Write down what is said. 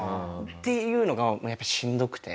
っていうのがやっぱしんどくて。